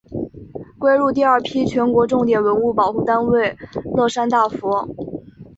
归入第二批全国重点文物保护单位乐山大佛。